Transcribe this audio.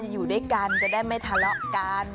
อยู่ด้วยกันจะได้ไม่ทะเลาะกัน